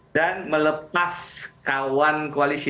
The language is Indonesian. dan melepas kawan koalisi